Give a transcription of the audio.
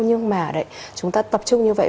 nhưng mà chúng ta tập trung như vậy